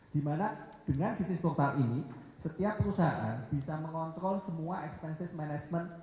di mana dengan bisnis portal ini setiap perusahaan bisa mengontrol semua expenses management